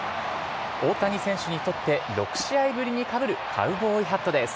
大谷選手にとって、６試合ぶりにかぶるカウボーイハットです。